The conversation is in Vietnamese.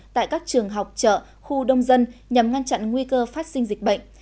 tại các trường học chợ khu đông dân nhằm ngăn chặn nguy cơ phát sinh dịch bệnh